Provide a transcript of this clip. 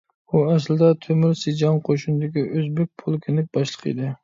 ئۇ ئەسلىدە تۆمۈر سىجاڭ قوشۇنىدىكى ئۆزبېك پولكىنىڭ باشلىقى ئىدى.